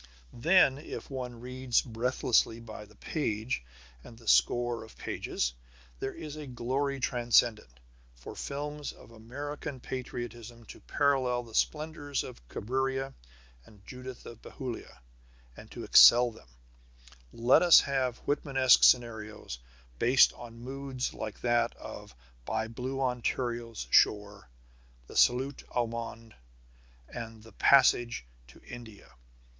Then if one reads breathlessly by the page and the score of pages, there is a glory transcendent. For films of American patriotism to parallel the splendors of Cabiria and Judith of Bethulia, and to excel them, let us have Whitmanesque scenarios based on moods like that of By Blue Ontario's Shore, The Salute au Monde, and The Passage to India.